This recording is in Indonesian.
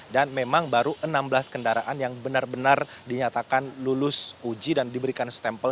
dan memang baru enam belas kendaraan yang benar benar dinyatakan lulus uji dan diberikan stempel